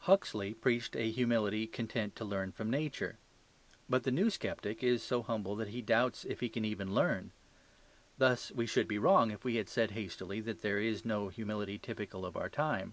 Huxley preached a humility content to learn from Nature. But the new sceptic is so humble that he doubts if he can even learn. Thus we should be wrong if we had said hastily that there is no humility typical of our time.